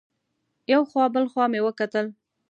یو خوا بل خوا مې وکتل.